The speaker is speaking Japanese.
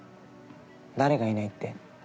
誰がいないって？